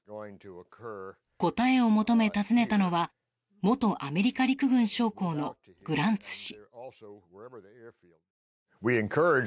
答えを求め、訪ねたのは元アメリカ陸軍将校のグランツ氏。